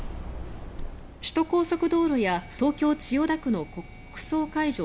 首都高速道路や東京・千代田区の国葬会場